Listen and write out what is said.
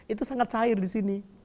itu sangat cair di sini